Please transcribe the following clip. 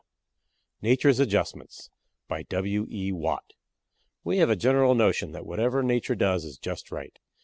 80 NATURE'S ADJUSTMENTS. BY W. E. WATT. We have a general notion that whatever Nature does is just right.